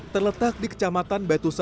terletak di kecamatan batu satu